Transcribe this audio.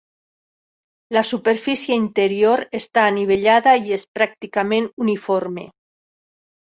La superfície interior està anivellada i és pràcticament uniforme.